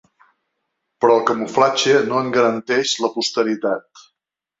Però el camuflatge no en garanteix la posteritat.